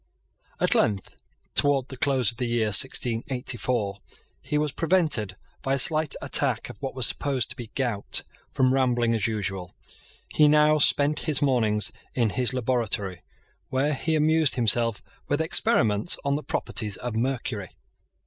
At length, towards the close of the year 1684, he was prevented, by a slight attack of what was supposed to be gout, from rambling as usual. He now spent his mornings in his laboratory, where he amused himself with experiments on the properties of mercury.